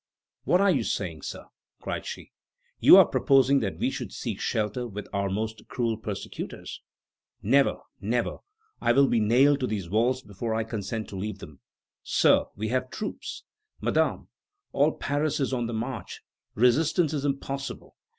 "What are you saying, Sir?" cried she; "you are proposing that we should seek shelter with our most cruel persecutors! Never! never! I will be nailed to these walls before I consent to leave them. Sir, we have troops." "Madame, all Paris is on the march. Resistance is impossible.